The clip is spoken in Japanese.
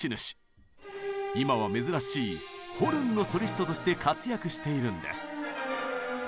今は珍しいホルンのソリストとして活躍しているんです。